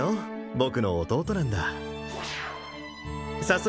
僕の弟なんだ早速